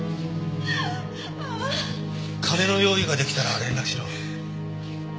金の用意が出来たら連絡しろ。